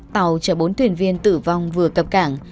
tàu chở bốn thuyền viên tử vong vừa cập cảng